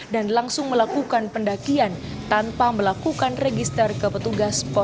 dan langsung melakukan pendakian tanpa melakukan register ke petugas pos ranupani